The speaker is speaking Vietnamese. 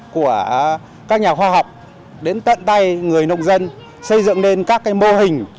của các nhà khoa học đến tận tay người nông dân xây dựng lên các mô hình